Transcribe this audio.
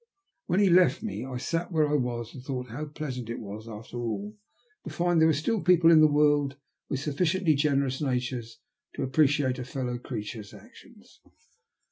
When he left me I sat where I was and thought how pleasant it was, after all, to find that there were still people in the world with sufficiently generous natures to appre ciate a fellow creature's actions.